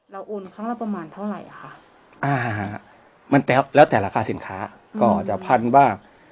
โอนครั้งละประมาณเท่าไหร่อ่ะค่ะอ่าฮะมันแล้วแต่ราคาสินค้าก็จะพันบ้าง